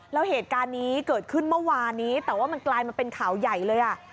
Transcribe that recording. แล้วเหตุการณ์นี้เกิดขึ้นเมื่อวานนี้แต่ว่ามันกลายมาเป็นข่าวใหญ่เลยอ่ะ